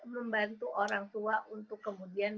membantu orang tua untuk kemudian